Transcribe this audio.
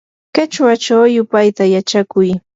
qichwachaw yupayta yachakuy.